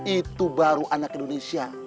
itu baru anak indonesia